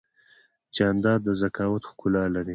جانداد د ذکاوت ښکلا لري.